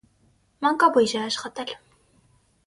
Մանկաբույժ է աշխատել։